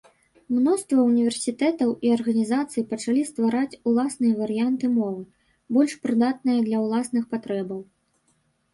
Мноства універсітэтаў і арганізацый пачалі ствараць уласныя варыянты мовы, больш прыдатная для ўласных патрэбаў.